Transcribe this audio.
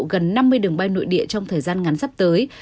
gần năm mươi đường bay nội địa trong thời gian ngắn sắp tới